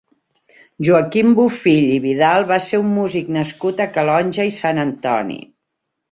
Joaquim Bofill i Vidal va ser un músic nascut a Calonge i Sant Antoni.